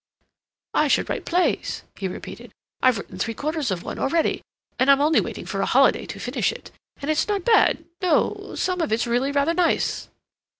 "I should write plays," he repeated. "I've written three quarters of one already, and I'm only waiting for a holiday to finish it. And it's not bad—no, some of it's really rather nice."